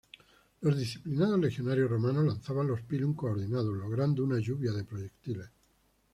Los disciplinados legionarios romanos lanzaban los pilum coordinados, logrando una lluvia de proyectiles.